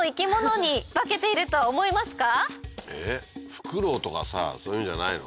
フクロウとかさそういうんじゃないの？